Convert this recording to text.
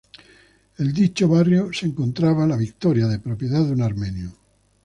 En dicho barrio se encontraba "La Victoria", de propiedad de un armenio.